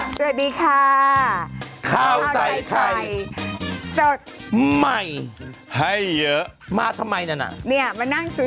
สวัสดีค่ะข้าวใส่ไข่สดใหม่ให้เยอะมาทำไมน่ะมานั่งสวย